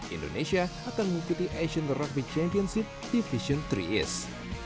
indonesia akan mengikuti asian rugby championship divisi tiga east